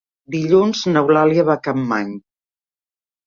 Dilluns n'Eulàlia va a Capmany.